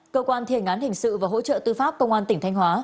cơ quan thiền án hình sự và hỗ trợ tư pháp công an tỉnh thanh hóa